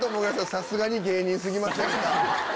さすがに芸人過ぎませんか？